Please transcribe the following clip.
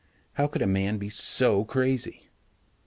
How could a man be so crazy?